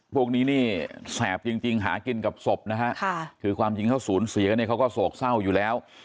พวกนี้นี่แสบจริงหากินกับศพนะฮะคือความจริงเขาสูญเสียเนี่ยเขาก็โศกเศร้าอยู่แล้ว